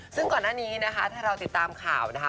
ซึ่งก่อนหน้านี้นะคะถ้าเราติดตามข่าวนะคะ